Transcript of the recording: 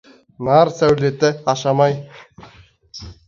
Нар сәулеті — ашамай.